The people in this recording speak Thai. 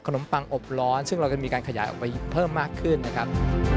ปังอบร้อนซึ่งเราจะมีการขยายออกไปเพิ่มมากขึ้นนะครับ